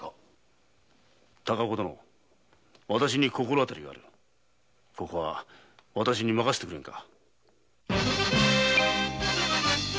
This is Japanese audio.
高岡殿私に心当たりがあるここは私に任せてくれんか。